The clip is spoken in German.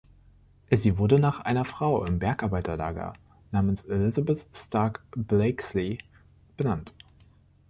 Sie wurde nach einer Frau im Bergarbeiterlager namens Elizabeth Stark Blakesley benannt.